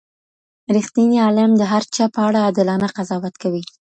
ریښتینی عالم د هر چا په اړه عادلانه قضاوت کوي.